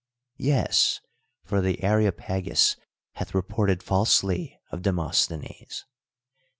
"Yes; for the Areopagus hath reported falsely of Demosthenes.